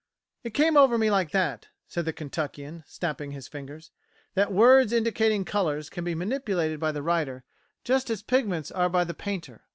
"It came over me like that," said the Kentuckian, snapping his fingers, "that words indicating colours can be manipulated by the writer just as pigments are by the painter.